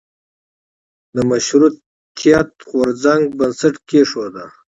د مشروطیت د غورځنګ بنسټ کېښودیو.